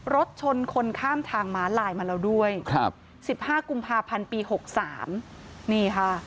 รถชนคนข้ามทางมาลายมาแล้วด้วย๑๕กุมภาพันธ์ปี๖๓